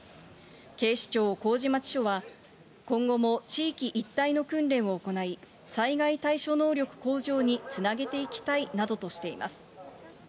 警視庁麹町署は、今後も地域一帯の訓練を行い、災害対処能力向上につなげていきたいなどとしています。